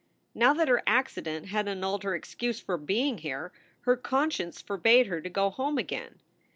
Now that her accident had annulled her excuse for being here, her conscience forbade her to go home again.